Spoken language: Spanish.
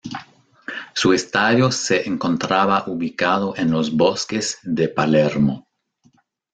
Su estadio se encontraba ubicado en los bosques de Palermo.